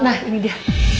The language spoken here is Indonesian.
nah ini dia